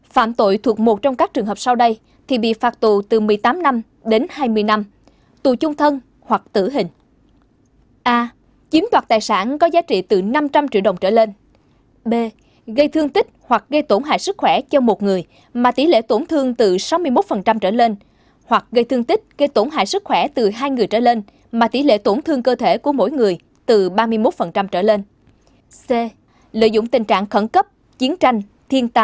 phạm tội thuộc một trong các trường hợp sau đây thì bị phạt tù từ một mươi tám năm đến hai mươi năm tù chung thân hoặc tử hình